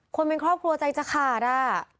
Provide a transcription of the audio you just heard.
คนเป็นครอบครัวใจจะขาดอ่ะ